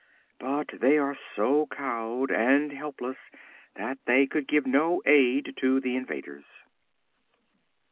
But they are so cowed and helpless that they could give no aid to the invaders.